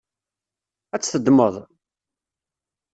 Ad tt-teddmeḍ?